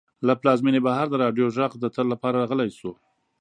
له پلازمېنې بهر د راډیو غږ د تل لپاره غلی شو.